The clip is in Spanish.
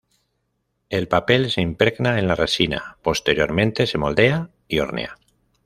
El papel se impregna en la resina, posteriormente se moldea y hornea.